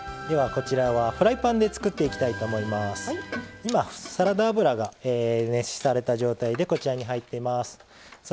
今サラダ油が熱された状態でこちらに入っています。